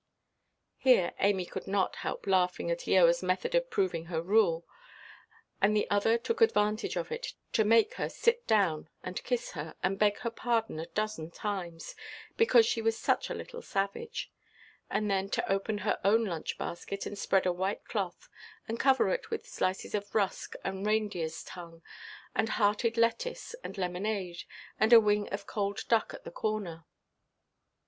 Here Amy could not help laughing at Eoaʼs method of proving her rule; and the other took advantage of it to make her sit down, and kiss her, and beg her pardon a dozen times, because she was such a little savage; and then to open her own lunch–basket, and spread a white cloth, and cover it with slices of rusk and reindeerʼs tongue, and hearted lettuce, and lemonade, and a wing of cold duck at the corner.